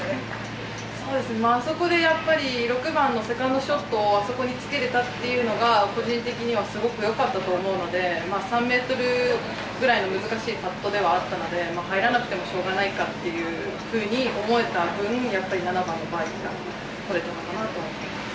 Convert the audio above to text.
あそこで６番のセカンドショットをあそこにつけれたというのが個人的にはすごくよかったと思うので３ｍぐらいの難しいパットではあったので入らなくてもしょうがないかと思えた分７番のバーディーが取れたのかなと思います。